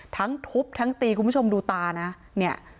ทั้งทุบทั้งตีคุณผู้ชมดูตานะเนี่ย